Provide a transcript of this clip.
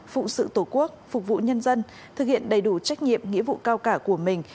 phụ sự tổ quốc phục vụ nhân dân thực hiện đầy đủ trách nhiệm nghĩa vụ cao cả của mình